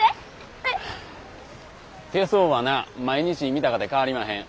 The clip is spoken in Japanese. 手相はな毎日見たかて変わりまへん。